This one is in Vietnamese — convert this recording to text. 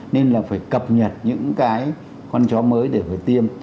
nên là phải cập nhật những cái con chó mới để phải tiêm